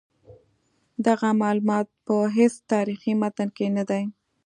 دغه معلومات په هیڅ تاریخي متن کې نه دي.